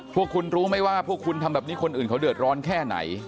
พวกคุณรู้ไหมว่าพวกคุณทำแบบนี้คนอื่นเขาเดือดร้อนแค่ไหน